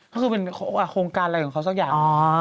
ก็คือเป็นโครงการอะไรของเขาสักอย่าง